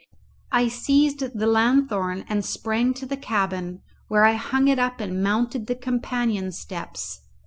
I seized the lanthorn and sprang to the cabin, where I hung it up, and mounted the companion steps.